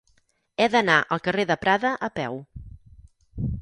He d'anar al carrer de Prada a peu.